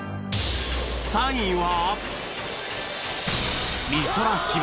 ３位は